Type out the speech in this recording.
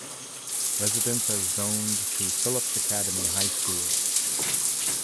Residents are zoned to Phillips Academy High School.